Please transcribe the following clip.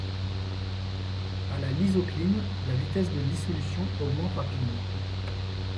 À la lysocline, la vitesse de dissolution augmente rapidement.